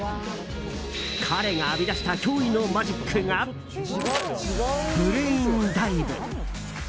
彼が編み出した驚異のマジックがブレインダイブ。